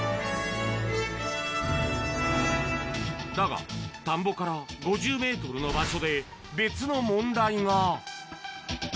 だが、田んぼから５０メートルの場所で、別の問題が。